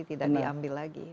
tidak diambil lagi